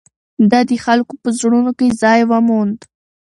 ده د خلکو په زړونو کې ځای وموند.